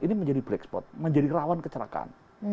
ini menjadi black spot menjadi rawan kecelakaan